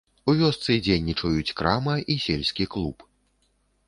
У вёсцы дзейнічаюць крама і сельскі клуб.